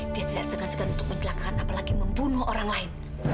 dia tidak segan segan untuk menjelakakan apalagi membunuh orang lain